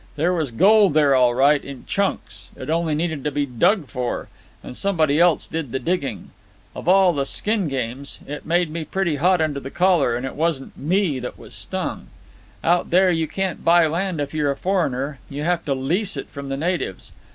There was gold there, all right, in chunks. It only needed to be dug for. And somebody else did the digging. Of all the skin games! It made me pretty hot under the collar, and it wasn't me that was stung. "Out there you can't buy land if you're a foreigner; you have to lease it from the natives.